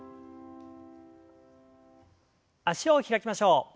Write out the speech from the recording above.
脚を開きましょう。